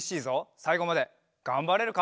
さいごまでがんばれるか？